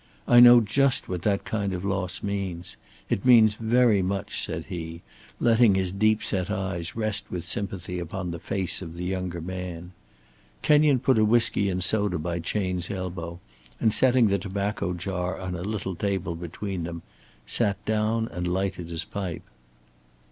I know just what that kind of loss means. It means very much," said he, letting his deep set eyes rest with sympathy upon the face of the younger man. Kenyon put a whisky and soda by Chayne's elbow, and setting the tobacco jar on a little table between them, sat down and lighted his pipe.